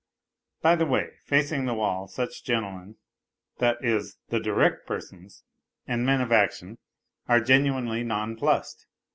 (By the way : facing the wall, such gentle men that is, the " direct " persons and men of action are genuinely nonplussed.